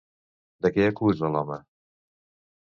De què acusa l'home?